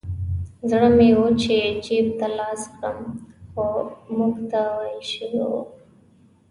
زړه مې و چې جیب ته لاس کړم خو موږ ته ویل شوي وو.